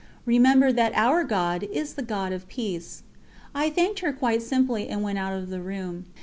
Remember that Our God is the God of peace." I thanked her quite simply and went out of the room.